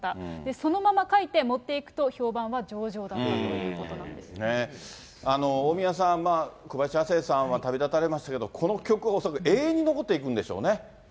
そのまま書いて持っていくと、評判は上々だったということなんで大宮さん、小林亜星さんは旅立たれましたけれども、この曲、恐らく永遠に残っていくんでしょうね。